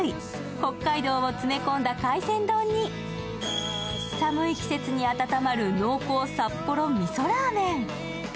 北海道を詰め込んだ海鮮丼に寒い季節に温まる濃厚札幌みそラーメン。